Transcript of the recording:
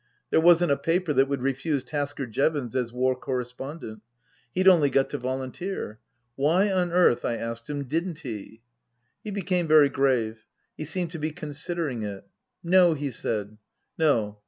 There wasn't a paper that would refuse Tasker Jevons as War Correspondent. He'd only got to volunteer. Why on earth, I asked him, didn't he ? He became very grave. He seemed to be considering it. " No," he said, " no.